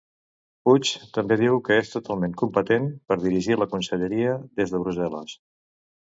Puig també diu que és totalment competent per dirigir la conselleria des de Brussel·les.